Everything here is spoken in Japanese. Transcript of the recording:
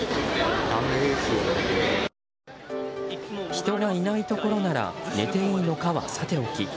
人がいないところなら寝ていいのかはさておき